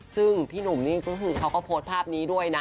ซึ่งพี่หนุ่มนี่ก็คือเขาก็โพสต์ภาพนี้ด้วยนะ